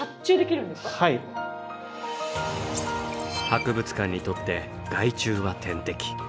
博物館にとって害虫は天敵。